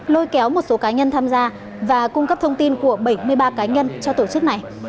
lôi kéo một số cá nhân tham gia và cung cấp thông tin của bảy mươi ba cá nhân cho tổ chức này